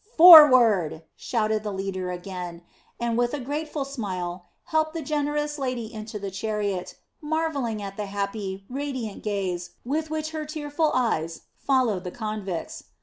"Forward!" shouted the leader again, and with a grateful smile helped the generous lady into the chariot, marvelling at the happy, radiant gaze with which her tearful eyes followed the convicts.